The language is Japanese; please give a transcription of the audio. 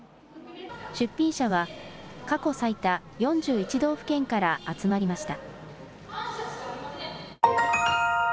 出品者は、過去最多４１道府県から集まりました。